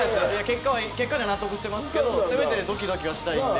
結果は結果には納得してますけどせめてドキドキはしたいんで。